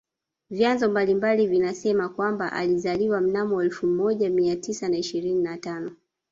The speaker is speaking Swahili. Vyanzo mbalimbali vinasema kwamba alizaliwa mnamo elfu moja Mia tisa na ishirini na tano